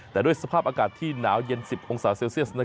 แต่ด้วยสภาพอากาศที่หนาวเย็น๑๐องศาเซลเซียส